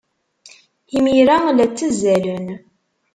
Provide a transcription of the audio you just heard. Imir-a, la ttazzalen.